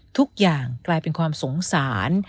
ทุกอย่างกลายเป็นความสงสาร